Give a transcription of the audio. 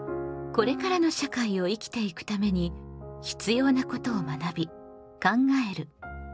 これからの社会を生きていくために必要なことを学び考える「公共」。